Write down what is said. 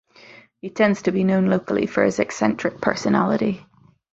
He tends to be known locally for his eccentric personality.